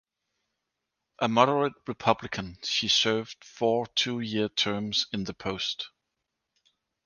A moderate Republican, she served four two-year terms in the post.